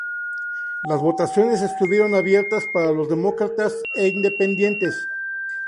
Las votaciones estuvieron abierta para los Demócratas e Independientes.